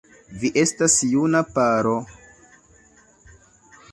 Vi estas juna paro.